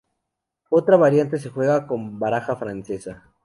Otra variante se juega con baraja francesa.